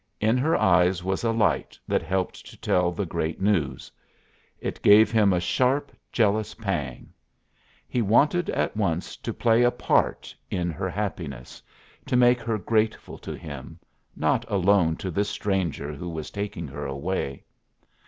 In her eyes was a light that helped to tell the great news. It gave him a sharp, jealous pang. He wanted at once to play a part in her happiness, to make her grateful to him, not alone to this stranger who was taking her away.